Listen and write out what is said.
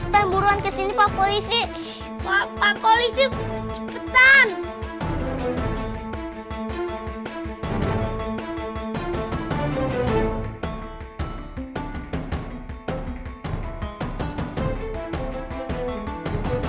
pak pak polisi buruan